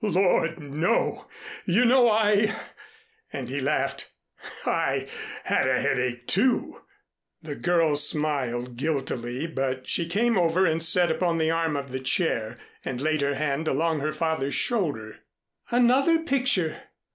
"Lord, no! You know I " and he laughed. "I had a headache, too." The girl smiled guiltily, but she came over and sat upon the arm of the chair, and laid her hand along her father's shoulder. "Another picture!